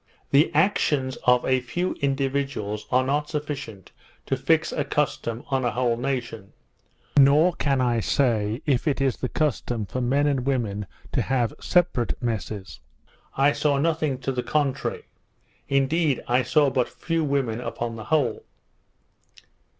The actions of a few individuals are not sufficient to fix a custom on a whole nation. Nor can I say if it is the custom for men and women to have separate messes. I saw nothing to the contrary: Indeed I saw but few women upon the whole.